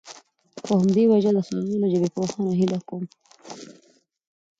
په همدي وجه د ښاغلو ژبپوهانو څخه هيله کوم